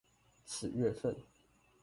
此月份